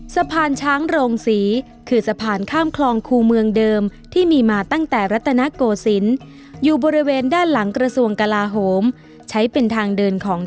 สะพานช้างโรงศรีคือสะพานข้ามคลองคู่เมืองเดิมที่มีมาตั้งแต่รัตนโกศิลป์อยู่บริเวณด้านหลังกระทรวงกลาโหมใช้เป็นทางเดินของ